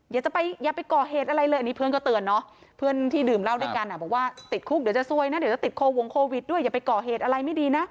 อย่าไปอย่าไปก่อเหตุอะไรเลยอันนี้เพื่อนก็เตือนเนาะเพื่อนที่ดื่มเหล้าด้วยกันอ่ะบอกว่าติดคุกเดี๋ยวจะซวยนะเดี๋ยวจะติดโควงโควิดด้วยอย่าไปก่อเหตุอะไรไม่ดีนะ